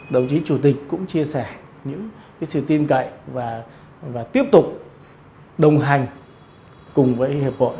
đồng chí chủ tịch cũng chia sẻ những sự tin cậy và tiếp tục đồng hành cùng với hiệp hội